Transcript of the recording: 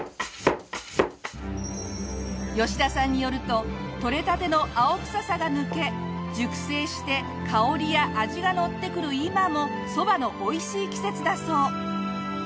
吉田さんによるととれたての青臭さが抜け熟成して香りや味がのってくる今もそばのおいしい季節だそう。